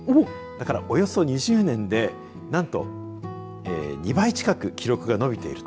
だから、およそ２０年でなんと２倍近く記録が伸びている。